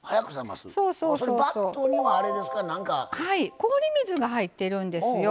氷水が入っているんですよ。